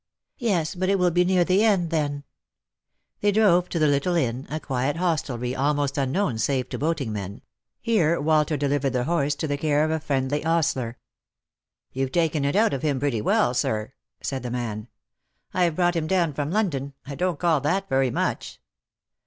" Yes, but it will be near the end then !" They drove to the little inn — a quiet hostelry, almost unknown save to boating men ; here Walter delivered the horse to the care of a friendly ostler. " You've taken it out of him pretty well, sir !" said the man. "I've brought him down from London. I don't call that very much."